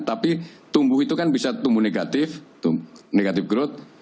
tapi tumbuh itu kan bisa tumbuh negatif growth